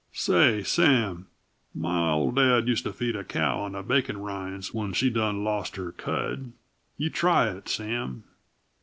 Say, Sam, my old dad used to feed a cow on bacon rinds when she done lost her cud. You try it, Sam.